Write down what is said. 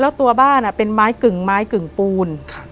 แล้วตัวบ้านเป็นไม้กึ่งไม้กึ่งปูน